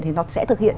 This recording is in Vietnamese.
thì nó sẽ thực hiện